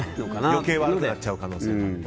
余計悪くなっちゃう可能性がと。